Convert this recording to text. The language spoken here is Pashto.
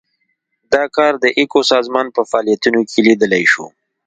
دا کار د ایکو سازمان په فعالیتونو کې لیدلای شو.